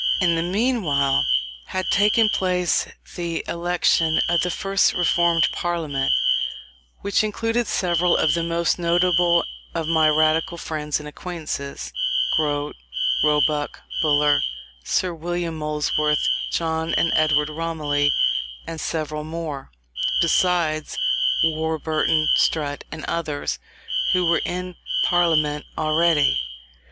In the meanwhile had taken place the election of the first Reformed Parliament, which included several of the most notable of my Radical friends and acquaintances Grote, Roebuck, Buller, Sir William Molesworth, John and Edward Romilly, and several more; besides Warburton, Strutt, and others, who were in parliament already.